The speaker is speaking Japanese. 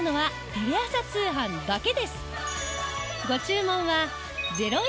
テレ朝通販だけです。